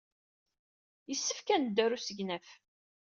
Yessefk ad neddu ɣer usegnaf.